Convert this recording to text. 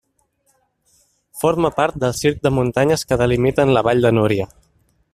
Forma part del circ de muntanyes que delimiten la Vall de Núria.